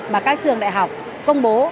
mà các trường đại học công bố